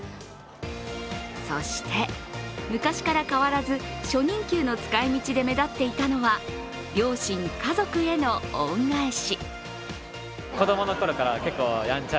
そして、昔から変わらず初任給の使い道で目立っていたのは両親・家族への恩返し。